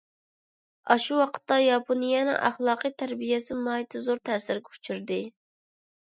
ئاشۇ ۋاقىتتا ياپونىيەنىڭ ئەخلاقىي تەربىيەسىمۇ ناھايىتى زور تەسىرگە ئۇچرىدى.